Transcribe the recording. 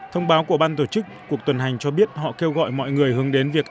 thông báo của ban tổ chức cuộc tuần hành cho biết họ kêu gọi mọi người hướng đến việc